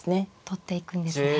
取っていくんですね。